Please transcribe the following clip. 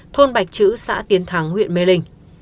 thôn bạch chữ xã tiến thắng huyện mê linh